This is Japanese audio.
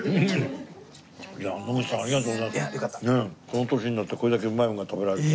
この年になってこれだけうまいものが食べられるとは。